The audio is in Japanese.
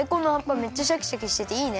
めっちゃシャキシャキしてていいね。